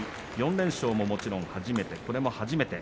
４連勝も、もちろん初めて。